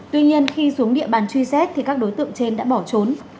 tuy nhiên khi xuống địa bàn truy xét thì các đối tượng trên đã bỏ trốn